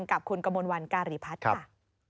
กับคุณกระมวลวันการีพัฒน์ค่ะค่ะครับ